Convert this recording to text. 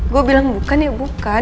gue bilang bukan ya bukan